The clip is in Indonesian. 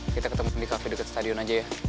kita ketemu di cafe dekat stadion aja ya